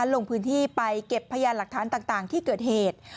ลงพื้นที่ไปเก็บพยานหลักฐานต่างที่เกิดเหตุ